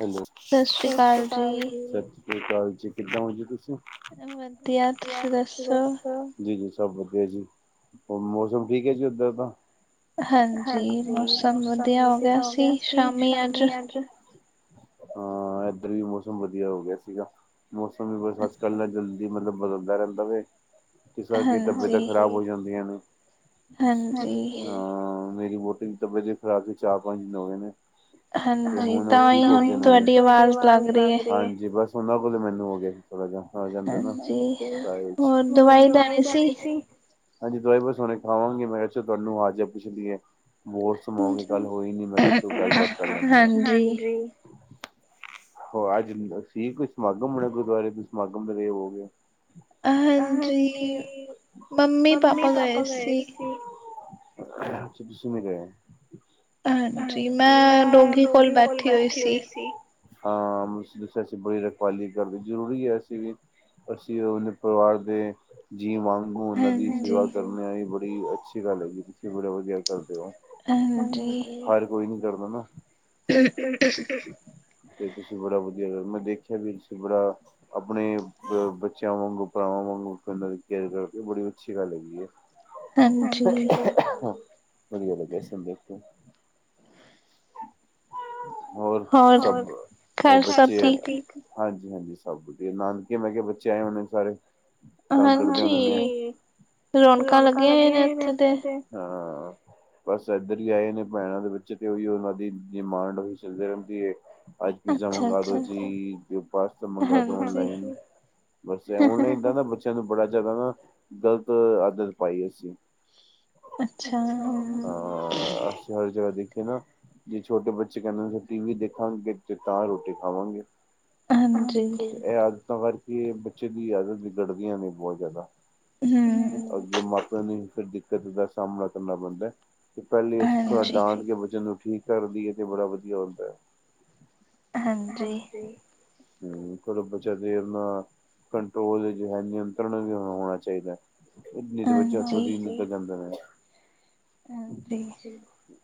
Hello, ਸਤਿ ਸ਼੍ਰੀ ਅਕਾਲ ਜੀ, ਸਤਿ ਸ੍ਰੀ ਅਕਾਲ ਜੀ ਕਿੱਦਾਂ ਓ ਜੀ ਤੁਸੀਂ? ਵਧੀਆ ਤੁਸੀਂ ਦੱਸੋ? ਜੀ-ਜੀ ਸਭ ਵਧੀਆ ਜੀ ਹੋਰ ਮੌਸਮ ਠੀਕ ਐ ਜੀ ਉੱਧਰ ਦਾ ਹਾਂਜੀ, ਮੌਸਮ ਵਧੀਆ ਹੋ ਗਿਆ ਸੀ ਸ਼ਾਮੀ ਅੱਜ ਹਾਂ, ਏਧਰ ਵੀ ਮੌਸਮ ਵਧੀਆ ਹੋ ਗਿਆ ਸੀਗਾ ਮੌਸਮ ਵੀ ਬਸ ਅੱਜ ਕਲ ਦਾ, ਕੀ ਮਤਲਬ ਬਦਲਦਾ ਰਹਿੰਦਾ ਵੇ ਜਿਸ ਕਰਕੇ ਤਬੀਅਤਾਂ ਖ਼ਰਾਬ ਹੋ ਜਾਂਦੀਆਂ ਨੇ ਹਾਂ, ਮੇਰੀ ਵੋਟੀ ਦੀ ਤਬੀਅਤ ਵੀ ਖ਼ਰਾਬ ਸੀ ਚਾਰ ਪੰਜ [unintelligible] ਹੋ ਗਏ ਨੇ ਹਾਂਜੀ ਤਾਂ ਤਾਂਈ ਹੁਨ ਤੁਆਡੀ ਆਵਾਜ ਲੱਗ ਰਈ ਐ ਹਾਂਜੀ ਬਸ ਓਨਾਂ ਕੋਲੋ ਮੈਨੂੰ ਹੋ ਗੇਆ ਜੀ। ਬੁਡਾਪਾ ਆ ਜਾਂਦੈ ਨਾ [unintelligible] ਚ ਹੋਰ ਦਵਾਈ ਲੈਨੀ ਸੀ। ਹਾਂਜੀ ਦਵਾਈ ਬਸ ਹੁਨੇ ਖਾਵਾਂਗੀ ਮੈਂ ਕਿਆ ਤਾਨੂੰ ਹਾਲ-ਚਾਲ ਪੁੱਛ ਲੀਏ ਮੋਸ ਮੋਮੀ ਗੱਲ ਹੋਈ ਨੀ ਮੈਂ ਕਿਆ ਚੱਲ ਗੱਲ ਬਾਤ ਕਰ ਲੈਨੇ ਆਂ ਹਾਂਜੀ ਹੋ ਅੱਜ ਸੀ ਕੋਈ ਸਮਾਗਮ ਹੋਨਾ ਗੁਰਦੁਆਰੇ ਦੇ ਸਮਾਗਮ ਤੇ ਹੋ ਗੇਆ। ਹਾਂਜੀ, ਮੰਮੀ ਪਾਪਾ ਗਏ ਸੀ। ਅੱਛਾ ਤੁਸੀਂ ਨੀ ਗਏ ਓਂ। ਹਾਂਜੀ, ਮੈਂ ਡੋਗੀ ਕੋਲ ਬੈਠੀ ਹੋਈ ਸੀ। ਹਾਂ ਮੈਨੂੰ ਤੁਸੀ ਦੱਸੇਆ ਸੀ ਬੜੀ ਰਖਵਾਲੀ ਕਰਦੇ ਓਂ ਜ਼ਰੂਰੀ ਐ ਅਸੀਂ ਵੀ ਅਸੀਂ ਓਦੇ ਪਰਵਾਰ ਦੇ ਜੀ ਵਾਂਗੂ ਓਨਾਂ ਦੀ ਸੇਵਾ ਕਰਨ ਵਾਲੀ ਬੜੀ ਅੱਛੀ ਗੱਲ ਹੈਗੀ ਤੁਸੀਂ ਬੜੇ ਵਦੀਆ ਕਰਦੇ ਓਂ ਹਾਂਜੀ, ਹਰ ਕੋਈ ਨੀ ਕਰਦਾ ਨਾ ਤੇ ਤੁਸੀਂ ਬੜਾ ਵਦੀਆ ਕਰਨੈ ਮੈਂ ਦੇਖੇਆ ਵੀ ਸੀ ਬੜਾ ਆਪਨੇ ਅ ਬੱਚਿਆਂ ਵਾਂਗੂ ਭਰਾਵਾਂ ਵਾਂਗੂੰ ਓਨ੍ਹਾ ਦੀ ਕੇਅਰ ਕਰਦੇ ਓਂ ਬੜੀ ਅੱਛੀ ਗੱਲ ਹੈਗੀ ਐ। ਹਾਂਜੀ ਠੀਕ ਐ, ਵਦੀਆ ਲੱਗੇਆ ਸੰਦੀਪ। ਹੋਰ ਸਬ ਹੋਰ-ਹੋਰ ਬੱਚੇ ਹੋਰ ਸਬ ਠੀਕ ਹਾਂਜੀ-ਹਾਂਜੀ ਸਭ ਵਦੀਆ ਨਾਨਕੇ ਮੈਂ ਕਿਆ ਬੱਚੇ ਆਏ ਹੋਨੇ ਸਾਰੇ। [unintelligible] ਹਾਂਜੀ ਰੌਨਕਾਂ ਲੱਗੀਆਂ ਹੋਈਆਂ ਨੇ ਏਥੇ ਤੇ। ਹਾਂ ਬਸ ਐਦਰ ਈ ਆਏ ਨੇ ਭੈਣਾਂ ਦੇ ਬੱਚੇ ਤੇ ਓਈ ਓਨਾਂ ਦੀ ਡਿਮਾਂਡ ਓਈ ਚਲਦੀ ਰੈਂਦੀ ਏ। ਅੱਜ ਪੀਜ਼ਾ ਮੰਗਵਾ ਦੋ ਜੀ [unintelligible] ਮੰਗਵਾ ਦੋ ਔਨਲਾਈਨ ਬਸ ਔਨਲਾਈਨ ਤਾਂ ਨਾ ਬੱਚੇ ਬੱਚਿਆਂ ਨੂੰ ਬੜਾ ਜ਼ਾਦਾ ਨਾ ਗ਼ਲਤ ਆਦਤ ਪਾਈ ਐ ਅਸੀਂ। ਅੱਛਾ, ਹਾਂ ਅਫਸਰਾਂ ਦੀ [unintelligible] ਤੇ ਨਾ ਜੇ ਛੋਟੇ ਬੱਚੇ ਕੈਂਦੇ ਹੁੰਦੇ ਟੀ ਵੀ ਦੇਖਾਂਗੇ ਤੇ ਤਾਂ ਰੋਟੀ ਖਾਵਾਂਗੇ। ਹਾਂਜੀ, ਏ ਆਦਤਾਂ ਕਰਕੇ ਬੱਚੇ ਦੀ ਆਦਤ ਬਿਗੜਦੀਆਂ ਨੇ ਬਹੁ ਜ਼ਾਦਾ। ਅੱਗੇ ਮਾਪਿਆਂ ਨੂੰ ਈ ਫਿਰ ਦਿੱਕਤ ਦਾ ਸਾਮਨਾ ਕਰਨਾ ਪੈਂਦਾ। ਤੇ ਪੈਲੇ ਏਸ ਤਰਾਂ ਡਾਂਟ ਕੇ ਬੱਚਿਆਂ ਨੂੰ ਠੀਕ ਕਰਦੀ ਏ ਤੇ ਬੜਾ ਵਦੀਆ ਹੁੰਦੈ। ਹਾਂਜੀ, ਹੂੰ ਥੋੜਾ ਬੱਚਾ ਦੇਰ ਨਾਲ ਕੰਟਰੋਲ ਵਿਚ ਹੈਨੀ ਨਿਯੰਤਰਨ ਵੀ ਹੋਨਾ ਚਈਦੈ। ਨਈ ਤੇ ਬੱਚੇ ਹੱਥੋਂ ਦੀ ਨਿਕਲ ਜਾਂਦੇ ਨੇ। ਹਾਂਜੀ।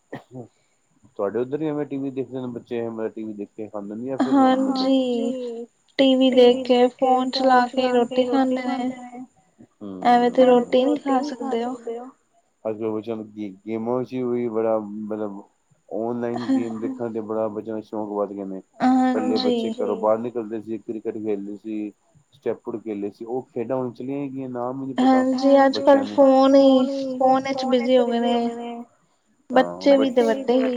[inaudible] ਤੁਆਡੇ ਏਦਰ ਵੀ ਐਵੇਂ ਟੀ ਵੀ ਦੇਖਦੇ ਨੇ ਜਾ ਬੱਚੇ ਟੀ ਵੀ ਦੇਖ ਕੇ ਖਾਂਦੇ ਨੇ ਯਾ ਫਿਰ ਮਤਲਬ ਟੀਵੀ ਦੇਖ ਕੇ ਫੋਨ ਚਲਾ ਕੇ ਰੋਟੀ ਖਾਂਦੇ ਨੇ, ਐਵੇਂ ਤੇ ਰੋ ਖਾ ਸਕਦੇ ਓਂ। ਅਗਲੇ ਬੱਚਿਆਂ ਨੂੰ ਗੇ ਗੇਮਾਂ ਚ ਵੀ ਬੜਾ ਮਤਲਬ ਔਨਲਾਈਨ ਗੇਮ ਦੇਖਨ ਤੇ ਬੜਾ ਬੱਚਿਆਂ ਦਾ ਸ਼ੌਕ ਵੱਧਗੇ ਨੇ ਪੈਲੇ ਬੱਚੇ ਘਰੋ ਬਾਰ ਨੀ ਕਰਦੇ ਸੀ ਕ੍ਰਿਕਟ ਖੇਲਦੇ ਸੀ, ਸਟੈਪੁਡ ਖੇਲਦੇ ਸੀ, ਓ ਖੇਡਾਂ ਹੁਨ ਚਲੀਆਂ ਕਿ ਨਾਮ ਵੀ ਨੀ ਪਤਾ ਬੱਚਿਆਂ ਨੂੰ ਹਾਂਜੀ ਅੱਜ ਕਲ ਫੋਨ ਈ ਫੋਨ ਵਿਚ ਬਿਜੀ ਹੋ ਗਏ ਨੇ। ਹਾਂ ਬੱਚੇ ਵੀ ਤੇ ਵੱਡੇ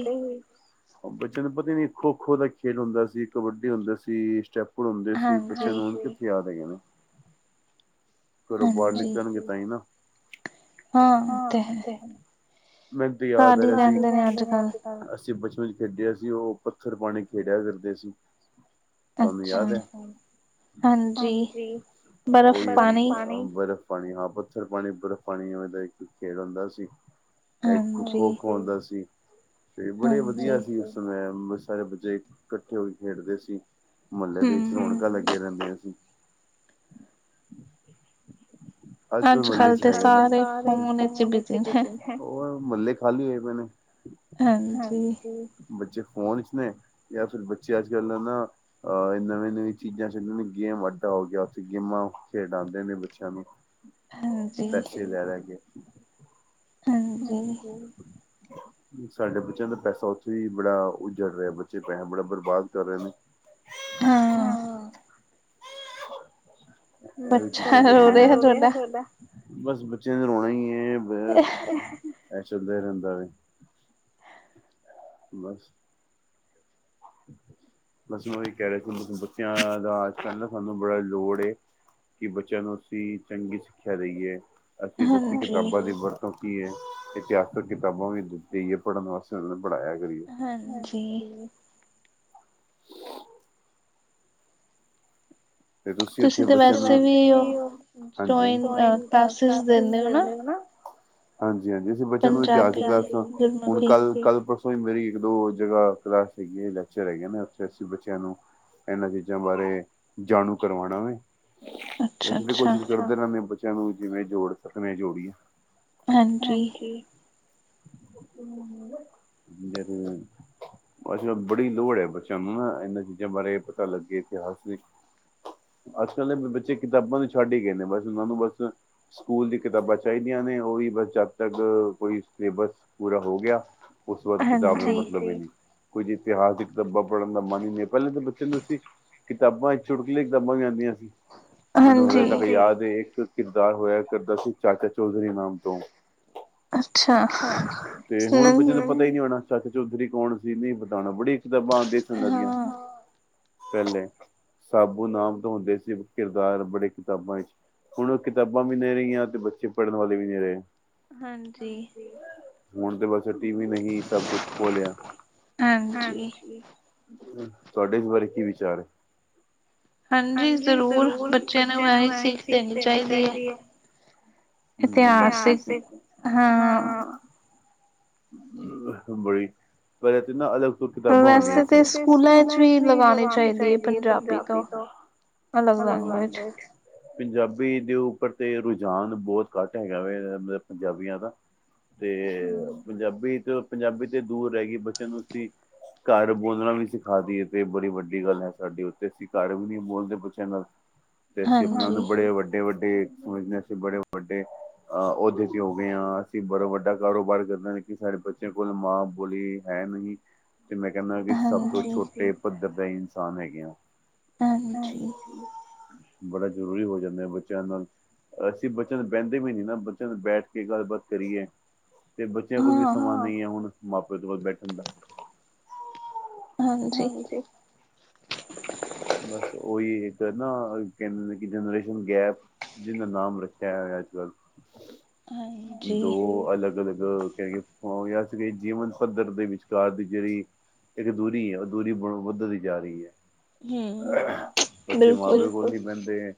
ਬੱਚਿਆਂ ਨੂੰ ਪਤਾ ਨੀ ਖੋ-ਖੋ ਦਾ ਖੇਲ ਹੁੰਦਾ ਸੀ, ਕਬੱਡੀ ਹੁੰਦੀ ਸੀ, ਸਟੈਪ ਪੜੋਂਦੇ ਸੀ, ਬੱਚਿਆਂ ਨੂੰ ਹੁਨ ਕਿੱਥੇ ਯਾਦ ਹੈਗਾ ਨਾ। ਘਰੋਂ ਬਾਹਰ ਨਿਕਲਨਗੇ ਤਾਂਈ ਨਾ ਹਾਂਜੀ ਹਾਂ ਓ ਤੇ ਹੈ। ਮੈਨੂੰ ਤੇ ਯਾਦ ਆ ਰਿਹਾ ਸੀ ਅਸੀਂ ਬਚਪਨ ਖੇਡੇਆ ਸੀ ਉਹ ਪੱਥਰ ਪਾਣੇ ਖੇਡੇਆ ਕਰਦੇ ਸੀ। ਤਾਨੂੰ ਯਾਦ ਹੈ, ਹਾਂਜੀ ਪਰ ਉਹ ਬਰਫ਼ ਪਾਣੀ ਹਾਂ ਪੱਥਰ ਪਾਣੀ ਬਰਫ਼ ਪਾਣੀ ਦਾ ਇੱਕ ਖੇਡ ਹੁੰਦਾ ਸੀ। ਇੱਕ ਖੋ, ਖੋ ਆਂਦਾ ਸੀ, ਤੇ ਬੜੇ ਵਧੀਆ ਅਸੀਂ ਤੇ ਮੇਂ ਸਾਰੇ ਬੱਚੇ ਇਕੱਠੇ ਹੋ ਕੇ ਖੇਡਦੇ ਸੀ, ਮੱਲੇ ਦੇ ਵਿੱਚ ਰੌਣ ਲੱਗੇ ਰੈਂ ਦੀਆਂ ਸੀ। ਅੱਜ ਕਲ ਮੱਲੇ ਚ ਹੈ ਈ ਨਹੀਂ ਅੱਜ ਕੱਲ ਤੇ ਸਾਰੇ ਫੋਨ ਚ ਹੀ ਬਿਜੀ ਨੇ ਉਹ ਮਹੱਲੇ ਖਾਲੀ ਹੋਏ ਪਏ ਨੇ ਬੱਚੇ ਫੋਨ ਚ ਨੇ ਯਾ ਫੇਰ ਬੱਚੇ ਅੱਜ ਕੱਲ੍ਹ ਨਾ ਅਹ ਨਵੇਂ ਨਵੀਂ ਚੀਜ਼ਾਂ ਚ ਨੇ ਗੇਮ ਅੱਡਾ ਹੋ ਗਿਆ ਉੱਥੇ ਗੇਮਾਂ ਖੇਡ ਡਾਂਦੇ ਨੇ ਬੱਚਿਆਂ ਨੂੰ ਪੈਸੇ ਲੈ ਲੈ ਕੇ ਹਾਂਜੀ। ਸਾਡੇ ਬੱਚਿਆਂ ਦਾ ਪੈਸਾ ਉੱਥੇ ਹੀ ਬੜਾ ਉਜੜ ਰਿਹਾ, ਬੱਚੇ ਪੈਸਾ ਬੜਾ ਬਰਬਾਦ ਕਰ ਰਹੇ ਨੇ। [unintelligible] ਹੈ। ਹਾਂ ਬੱਚਾ ਰੋ ਰੇਆ ਤੁਹਾਡਾ ਬਸ ਬੱਚਿਆਂ ਨੇ ਰੋਣਾ ਹੀ ਹੈ, ਇਹ ਚਲਦਾ ਹੀ ਰੈਂਦਾ ਵੇ। ਬਸ। [unintelligible] ਬਸ ਮੇ ਓਹੀ ਕੇਹ ਰਹੇ [unintelligible] ਬੱਚਿਆਂ ਦਾ ਅੱਜ -ਕੱਲ ਨਾ ਸਾਨੂੰ ਬੜਾ ਲੋੜ ਏ। ਕਿ ਬਚੇਆਂ ਨੂੰ ਅਸੀਂ ਚੰਗੀ ਸਿੱਖਿਆ ਦੇਈਏ, ਅਸੀਂ ਦੱਸੀ ਕਿਤਾਬਾਂ ਦੀ ਕਿਉਂਕਿ ਏਹ ਇਤਿਹਾਸਕ ਕਿਤਾਬਾਂ ਵੀ ਦਿੱਤੀ ਏ ਪੜ੍ਹਨ ਵਾਸਤੇ ਪੜ੍ਹਾਇਆ ਹਾਂਜੀ। [unintelligible] ਤੇ ਤੁਸੀਂ ਓਥੇ ਬਚੇਆਂ ਨੂ, ਤੂਸੀ ਤੇ ਵੈਸੇ ਵੀ ਓ। ਹਾਂਜੀ, ਕਲਾਸੇਸ ਦੇਂਦੇ ਓ ਨਾ? ਹਾਂਜੀ- ਹਾਂਜੀ, ਅਸੀਂ ਬੱਚਿਆਂ ਨੂੰ ਇਤਿਹਾਸਿਕ ਕਲਾਸਾਂ ਹੁਣ ਕੱਲ- ਕੱਲ, ਪਰਸੋ ਤੇ ਮੇਰੀ ਇਕ- ਦੋ ਜਗ੍ਹਾ ਕਲਾਸ ਹੈਗੀ ਏ, ਲੈਕਚਰ ਹੈਗੇ ਨੇ ਉਥੇ ਅਸੀਂ ਬੱਚੇਆਂ ਨੂੰ ਏਹਨਾਂ ਚੀਜ਼ਾਂ ਬਾਰੇ ਜਾਣੂ ਕਰ ਵਾਣਾ ਵ ਅਸੀਂ ਤੇ ਕੋਸ਼ਿਸ਼ ਕਰ ਜਿਨਾਦੇ ਬਚੇਆਂ ਨੂੰ ਜਿਵੇ ਜੋੜ ਸਕਨੇ ਜੋੜੀਏ ਹਾਂਜੀ [unintelligible] ਅੱਜ-ਕੱਲ ਬੜੀ ਲੋੜ ਐ ਬਚੇਆਂ ਨੂੰ ਨਾ ਏਹਨਾਂ ਚੀਜ਼ਾਂ ਬਾਰੇ ਪਤਾ ਲੱਗੇ ਇਤਿਹਾਸ ਦੀ ਅੱਜ -ਕੱਲ੍ਹ ਦੇ ਬੱਚੇ ਕਿਤਾਬਾਂ ਨੂੰ ਛੱਡ ਹੀ ਗਏ ਨੇ ਬਸ, ਉਹਨਾਂ ਨੂੰ ਬਸ ਸਕੂਲ ਦੀ ਕਿਤਾਬਾਂ ਚਾਈਦੀਆਂ ਨੇ ਓਹੀ ਬਸ ਚੈਪਟਰਸ ਓਈ ਸਿਲੇਬਸ ਪੂਰਾ ਹੋ ਗਿਆ ਓਸ ਤੂ ਬਾਅਦ, ਹਾਂਜੀ ਕਿਤਾਬ ਦਾ ਮਤਲਬ ਹੀ ਨਈ। ਕੁੱਝ ਇਤਿਹਾਸਿਕਦੀ ਕਿਤਾਬਾਂ ਪੜ੍ਹਨ ਦਾ ਮੰਨ ਹੀ ਨੀ ਐ, ਪੈਲੇ ਤਾਂ ਬੱਚੇ ਨੂੰ ਅਸੀਂ ਕਿਤਾਬਾਂ 'ਚ ਚੁਟਕੂਲੇ ਦੀ ਕਿਤਾਬਾਂ ਵੀ ਆਂਦੀਆਂ ਸੀ ਮੈਨੂੰ, ਹਾਂਜੀ, ਹਜੇ ਤੱਕ ਯਾਦ ਏ ਏਕ ਕਿਰਦਾਰ ਹੋਇਆ ਕਰਦਾ ਸੀ, ਚਾਚਾ -ਚੌਧਰੀ ਨਾਮ ਤੋਂ। ਅੱਛਾ, ਤੇ ਹੁਣ ਬੱਚੇਆਂ ਨੂੰ ਪਤਾ ਹੀ ਨਈ ਹੋਣਾ। ਚਾਚਾ- ਚੌਧਰੀ ਕੌਣ ਸੀ? ਨਹੀਂ ਪਤਾ ਹੋਣਾ ਬੜੀ ਕਿਤਾਬਾਂ ਆਂਦੀ ਸਨ ਏਦੀਆਂ, ਹਾਂ ਪੈਲੇ ਸਾਬੂ ਨਾਮ ਤੋਂ ਹੁੰਦੇ ਸੀ ਕਿਰਦਾਰ, ਬੜੇ ਕਿਤਾਬਾਂ ਇਚ ਹੁਣ ਓਹ ਕਿਤਾਬਾਂ ਵੀ ਨਈ ਰਹੀਆਂ ਤੇ, ਬੱਚੇ ਪੜ੍ਹਨ ਵਾਲੇ ਵੀ ਨਈ ਰਹੇ। ਹਾਂਜੀ, ਹੁਣ ਤੇ ਬਸ ਓ ਟੀਵੀ ਨੇ ਹੀ ਸਭ -ਕੁਛ ਖ੍ਹੋ ਲੇਆ ਹਾਂਜੀ। ਤੁਹਾਡੇ ਇਸ ਬਾਰੇ ਕੀ ਵਿਚਾਰ ਐ? ਹਾਂਜੀ ਜ਼ਰੂਰ, ਬੱਚਿਆਂ ਨੂੰ ਏਹੀ ਸਿੱਖ ਦੇਣੀ ਚਾਹੀਦੀ ਐ। ਹੂੰ, ਇਤਿਹਾਸਿਕ ਹਾਂ ਬੜੀ ਪਹਿਲ ਤੇ ਨਾ ਅਲੱਗ। ਕਿਤਾਬਾ ਹੂੰਦਿਆ ਸੀ, ਵੈਸੇ ਤੇ ਸਕੂਲਾਂ 'ਚ ਵੀ ਲਗਾਣੀ ਚਾਹੀਦੀ ਐ। ਪੰਜਾਬੀ ਤੋਂ, ਅਲੱਗ ਲੈਂਗਵੇਜ। ਪੰਜਾਬੀ ਦੇ ਉੱਪਰ ਤੇ ਰੋਝਾਨ ਬਹੁਤ ਘੱਟ ਹੈਗਾ ਵੇ, ਮਤਲਬ ਪੰਜਾਬੀਆਂ ਦਾ ਤੇ-ਅ ਪੰਜਾਬੀ ਤੋਂ ਪੰਜਾਬੀ ਤੇ ਦੂਰ ਰਹਿ ਗਈ ਬੱਚੇਆਂ ਨੂੰ ਅਸੀਂ ਘਰ ਬੋਲਣਾ ਵੀ ਸਿਖਾ ਦਇਐ ਤੇ, ਬੜੀ ਵੱਡੀ ਗੱਲ ਹੈ ਸਾਡੀ ਓ ਤੇ ਅਸੀਂ ਘਰ ਵੀ ਨ ਬੋਲਦੇ ਬੱਚਿਆਂ ਨਾਲ ਤੇ ਅਸੀਂ, ਹਾਂਜੀ ਆਪਣੇ ਆਪ ਨੂੰ ਬੜੇ ਵੱਡੇ- ਵੱਡੇ ਸਮਝਨੇਆ ਅਸੀਂ ਬੜੇ ਵੱਡੇ ਅਹ ਓਥੇ ਅਸੀ ਹੋ ਗਏ ਹ ਅਸੀਂ ਬੜਾ ਵੱਡਾ ਕਾਰੋਬਾਰ ਕਰਨਾ ਕਿ ਸਾਡੇ ਬੱਚੇ ਕੋਲ ਮਾਂ ਬੋਲੀ। ਹੈ ਨਹੀਂ ਤੇ ਮੈਂ ਕਹੇਨਾ ਕਿ ਸਭ ਤੋਂ ਛੋਟੇ ਪੱਧਰ ਦਾ- ਹੀ ਇਨਸਾਨ ਹੈਗੇ ਆ। ਬੜਾ ਜਰੂਰੀ ਹੋ ਜਾਂਦਾ ਏ ਬੱਚਿਆਂ ਨਾਲ। ਅਸੀਂ ਬੱਚਿਆਂ ਨਾਲ ਬਹਿੰਦੇ ਵੀ ਨਹੀਂ ਨਾ, ਬੱਚਿਆਂ ਨਾਲ ਬੈਠ ਕੇ ਗੱਲ-ਬਾਤ ਕਰੀਏ। ਤੇ ਬੱਚੇਆਂ ਕੋਲ ਵੀ ਸਮਾ ਨਈ ਐ, ਹੁਣ ਮਾਂ- ਪਿਓ ਦੇ ਕੋਲ ਬੈਠਣ ਦਾ। ਹਾਂਜੀ। ਬਸ ਓਹੀ ਏਕ ਨਾ ਕੀ ਕਹਿੰਦੇ ਨੇ ਕਿ ਜਨਰੇਸ਼ਨ ਗੈਪ। ਜਿੰਨੇ ਨਾਮ ਰੱਖਿਆ ਏ ਅੱਜ- ਕੱਲ ਦੋ ਅਲੱਗ -ਅਲੱਗ ਕੇਹ ਗ ਓਹ ਜਾਂ ਸੀਗੇ ਜੀਵਨ ਪੱਧਰ ਦੇ ਵਿਚਕਾਰ ਦੀ ਜਿਹੜੀ। ਏਕ ਦੂਰੀ ਐ, ਓਹ ਦੂਰੀ ਬ- ਵੱਧਦੀ ਜਾ ਰਹੀ ਐ। ਬੱਚੇ ਮਾਂ-ਪਿਓ ਕੋਲ ਨੀ ਬੈਂਦੇ।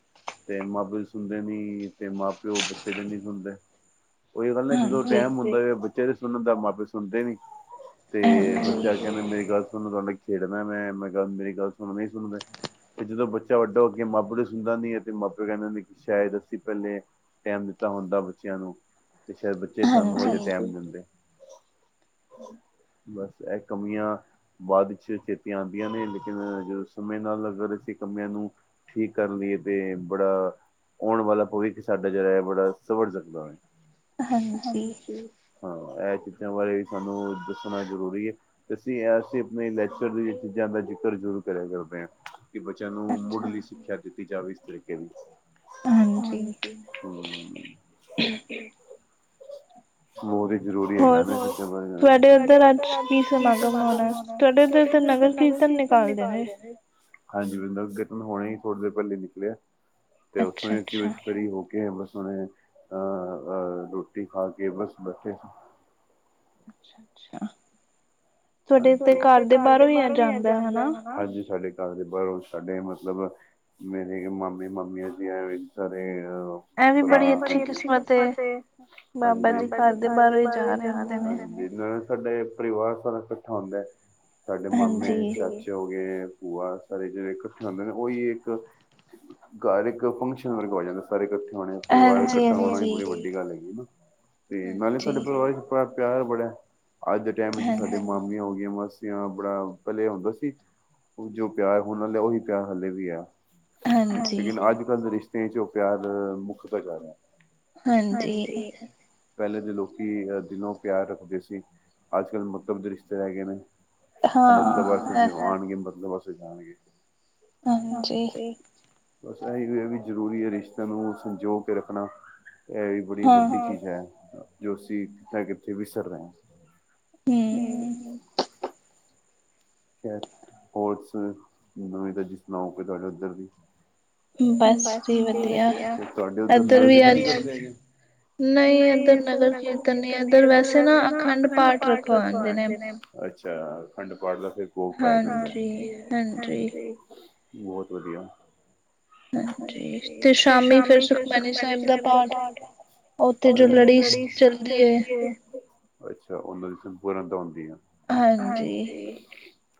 ਤੇ ਮਾਂ ਪਿਓ ਦੀ ਸੁਨਦੇ ਨੀ, ਤੇ ਮਾਂ ਪਿਓ ਬੱਚੇ ਦੀ ਨੀ ਸੁਨਦੇ। ਓਹੀ ਗੱਲ ਨਾ ਜਦੋਂ ਟੇਮ ਹੁੰਦਾ ਏ ਬੱਚੇ ਦੀ ਸੁਨਨ ਦਾ ਮਾਂ-ਪਿਓ ਸੁਨਦੇ ਨੀ। ਤੇ ਬੱਚਾ ਕਹਿੰਦਾ ਮੇਰੀ ਗੱਲ ਸੁਣ ਖੇਡਣਾ ਮੈਂ ਮੈਂ ਮੇਰੀ ਗੱਲ ਸੁਣ ਨ ਸੁਣਦਾ ਤੇ ਜਦੋਂ ਬੱਚਾ ਵੱਡਾ ਹੋ ਕੇ ਮਾਂ ਪਿਓ ਦੀ ਸੁਣਦਾ ਨਹੀਂ ਹੈ ਤੇ ਮਾਂ ਪਿਓ ਕਹਿੰਦੇ ਕਿ ਸ਼ਾਇਦ ਅਸੀਂ ਪਹਿਲੇ। ਟੈਮ ਦਿੱਤਾ ਹੁੰਦਾ ਬੱਚਿਆਂ ਨੂੰ ਤੇ ਸ਼ਾਇਦ ਬੱਚੇ ਸਾਨੂੰ ਅਜੇ ਟੈਮ ਦਿੰਦੇ। [inaudible] ਬਸ ਇਹ ਕਮੀਆਂ ਬਾਅਦ ਚ ਚੇਤੇ ਆਉਂਦੀਆਂ ਨੇ ਲੇਕਿਨ। ਸਮੇਂ ਨਾਲ ਅਗਰ ਅਸੀਂ ਕੰਮਿਆਂ ਨੂੰ ਠੀਕ ਕਰ ਲਈਏ ਤੇ ਬੜਾ। ਆਉਣ ਵਾਲਾ ਭਵਿੱਖ ਸਾਡਾ ਜਿਹੜਾ ਬੜਾ ਸਵਰ ਸਕਦਾ। ਹਾਂ ਇਹ ਚੀਜ਼ਾਂ ਬਾਰੇ ਵੀ ਸਾਨੂੰ ਦੱਸਣਾ ਜ਼ਰੂਰੀ ਹੈ। ਅਸੀਂ ਇਸ ਆਪਣੇ ਲੈਕਚਰ ਦੀ ਚੀਜ਼ਾਂ ਦਾ ਜ਼ਿਕਰ ਜ਼ਰੂਰ। ਕਰਿਆ ਕਰ ਦੇਆ ਕਿ ਬੱਚਿਆਂ ਨੂੰ ਮੁਢਲੀ ਸਿੱਖਿਆ ਦਿੱਤੀ ਜਾਵੇ ਇਸ ਤਰੀਕੇ ਦੀ। ਹਾਂਜੀ, ਹੂੰ। ਹੋਰੀ ਜ਼ਰੂਰੀ ਹੈਗਾ ਨਾ, ਸਾਡੇ ਉਧਰ ਅੱਜ ਹੁਣ ਤੁਹਾਡੇ ਤਾਂ ਇਧਰ ਤੇ ਨਗਰ ਕੀਰਤਨ ਨਿਕਾਲ ਦੇਣੇ। ਹਾਂਜੀ ਨਗਰ ਕੀਰਤਨ ਹੁਣੇ ਹੀ ਥੋੜੀ ਦੇਰ ਪਹਿਲੇ ਨਿਕਲਿਆ। ਤੇ ਉਥੋਂ ਇਕ ਵਰੀ ਹੋ ਕੇ ਬਸ ਉਹ। ਅ ਰੋਟੀ ਖਾ ਕੇ ਬਸ ਬੈਠੇ ਅੱਛਾ ਅੱਛਾ ਤੁਹਾਡੇ ਘਰ ਦੇ ਬਾਹਰੋਂ ਹੀ ਆ ਜਾਂਦਾ ਹੈਨਾ ਘਰਦੇ ਬਾਹਰੋਂ ਉਹ ਸਾਡੇ ਮਤਲਬ ਮੇਰੇ ਮਾਮੇ ਮਾਮੀਆਂ ਜੀ ਆਏ ਹੋਏ ਨੇ ਸਾਰੇ। ਇਹ ਵੀ ਬੜੀ ਅੱਛੀ ਕਿਸਮਤ ਤੇ ਬਾਬਾ ਜੀ ਘਰ ਦੇ ਬਾਹਰੋਂ ਹੀ ਜਾ ਰਹੇ ਹੁੰਦੇ ਨੇ। ਸਾਡੇ ਪਰਿਵਾਰ ਸਾਰਾ ਕੱਠਾ ਹੁੰਦਾ ਹੈ ਸਾਡੇ ਮਾਮੇ ਚਾਚੇ ਚ ਹੋ ਗਏ ਭੂਆ ਸਾਰੇ ਜੇੜੇ ਕੱਠੇ ਹੁੰਦੇ ਨੇ ਉਹੀ ਇੱਕ ਘਾਰ ਇੱਕ ਫੰਕਸ਼ਨ ਵਰਗਾ ਹੋ ਜਾਣਾ ਸਾਰੇ ਕੱਠੇ ਹੋਣੇ ਪਰਿਵਾਰ ਕੱਠਾ ਹੋਣਾ ਬੂਰੀ ਵੱਡੀ ਗੱਲ ਹੈਗੀ ਹਨਾ ਤੇ ਨਾਲੇ ਸਾਡੇ ਪਰਿਵਾਰ ਪਰ ਪਿਆਰ ਬੜਾ ਅੱਜ ਦੇ ਟੈਮ ਵਿੱਚ ਸਾਡੇ ਮਾਂ ਹੋ ਗਈਆਂ ਹੋ ਗਈਆਂ ਮਾਸੀਆਂ ਬੜਾ ਪੈਲੇ ਹੁੰਦਾ ਸੀ। ਜੋ ਪਿਆਰ ਉਨਾ ਲਾ ਉਹੀ ਪਿਆਰ ਹਲੇ ਵੀ ਐ। ਲੇਕਿਨ ਅੱਜ ਕੱਲ੍ਹ ਦੇ ਰਿਸ਼ਤਿਆਂ 'ਚ ਓ ਪਿਆਰ ਮੁਖ ਤਾ ਜਾ ਰਿਆ ਹਾਂਜੀ ਜੀ। ਪੈਲੇ ਦੇ ਲੋਕੀ ਅ ਦਿਲੋਂ ਪਿਆਰ ਰੱਖਦੇ ਸੀ ਅੱਜ ਕੱਲ੍ਹ ਮਤਲਬ ਦੇ ਰਿਸ਼ਤੇ ਹੈਗੇ ਨੇ। ਮਤਲਬ ਅਸ ਜੇ ਆਣਗੇ ਮਤਲਬ ਅਸ ਜਾਣਗੇ। ਹਾਂਜੀ ਬਸ ਇਹੀ ਹੈ ਵੀ ਜ਼ਰੂਰੀ ਹੈ ਰਿਸ਼ਤਿਆਂ ਨੂੰ ਸੰਜੋ ਕੇ ਰੱਖਣਾ ਐਈ। ਬੜੀ ਵੱਡੀ ਚੀਜ਼ ਹੈ ਜੋ ਅਸੀਂ ਕਿਤੇ ਕਿਥ ਵਿਸਰ ਰਏ ਆਂ ਹੂੰ। ਹੋਰਸ ਨਵੀ ਤਾਜ਼ੀ ਸੁਣਾਓਗੇ ਤੁਹਾਡੇ ਉੱਧਰ ਦੀ ਬਸ ਵਧੀਆ ਨਈ ਇੱਧਰ ਨਗਰ ਕੀਰਤਨ ਨਈ ਇਧਰ ਵੈਸੇ ਨਾ ਅਖੰਡ ਪਾਠ ਰਖਵਾਂਦੇ ਨੇ। ਅੱਛਾ ਖੰਡ ਪਾਠ ਦਾ ਫਿਰ ਭੋਗ ਪੈ ਜਾਂਦਾ ਹਾਂਜੀ-ਹਾਂਜੀ। ਬੋਤ ਵਧੀਆ ਹਾਂਜੀ ਤੇ ਸ਼ਾਮੀ ਫਿਰ ਸੁਖਮਨੀ ਸਾਹਿਬ ਦਾ ਪਾਠ ਹੈ। ਉੱਥੇ ਜੋ ਲੜੀ ਸ ਚਲਦੀ ਏ। ਅੱਛਾ ਉਨਾਂ ਦੀ ਸੰਪੂਰਨਤਾ ਹੁੰਦੀ ਏ ਹਾਂਜੀ।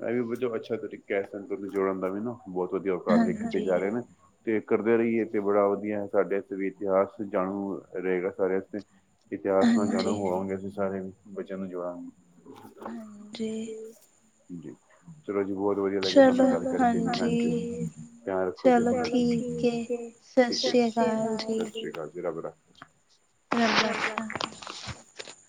ਐਵੀ ਵ ਅੱਛਾ ਤਰੀਕਾ ਹੈ ਸੰਗਤ ਜੋੜਨ ਦਾ ਵੀ ਨਾ ਬੋਤ ਵਧੀਆ ਉਪਰਾਲੇ ਕੀਤੇ ਜਾ ਰਏ ਨੇ। ਤੇ ਕਰਦੇ ਰਈਏ ਤੇ ਬੜਾ ਵਧੀਆ ਸਾਡੇ ਇਥੇ ਵੀ ਇਤਿਹਾਸ ਜਾਣੂ ਰਏਗਾ ਸਾਰਿਆਂ ਅਸਤੇ ਇਤਿਹਾਸ ਨਾਲ ਜਾਣੂ ਹੋਵਾਂਗੇ ਅਸੀਂ ਸਾਰੇ ਬੱਚਿਆਂ ਨੂੰ ਜੋੜਾਂਗੇ। ਹਾਂਜੀ ਜੀ। ਜੀ। ਚਲੋ ਜੀ ਬੋਤ ਵਧੀਆ ਲੱਗਿਆ ਤੁਾਨੂੰ ਗੱਲ ਕਰਕੇ ਹਾਂਜੀ ਧਿਆਨ ਰੱਖੋ ਜੀ ਆਪਣਾ ਠੀਕ ਹੈ ਸਤਿ ਸ੍ਰੀ ਅਕਾਲ ਜੀ। ਸਤਿ ਸ੍ਰੀ ਅਕਾਲ ਜੀ ਰੱਬ ਰਾਖਾ [unintelligible]